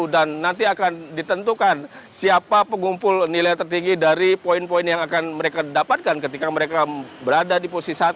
dan nanti akan ditentukan siapa pengumpul nilai tertinggi dari poin poin yang akan mereka dapatkan ketika mereka berada di posisi satu